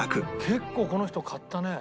結構この人買ったね。